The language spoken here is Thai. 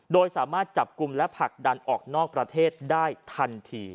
โดยสามารถจับกลุ่มและผลักดันออกนอกประเทศได้ทันที